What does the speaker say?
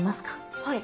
はい。